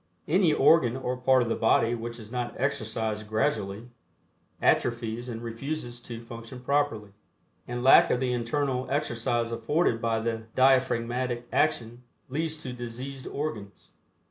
Any organ or part of the body which is not exercised gradually atrophies and refuses to function properly, and lack of the internal exercise afforded by the diaphragmatic action leads to diseased organs.